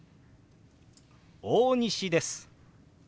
大西です」。